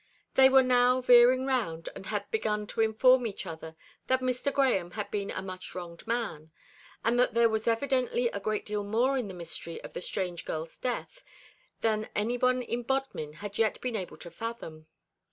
They were now veering round, and had begun to inform each other that Mr. Grahame had been a much wronged man, and that there was evidently a great deal more in the mystery of the strange girl's death than any one in Bodmin had yet been able to fathom.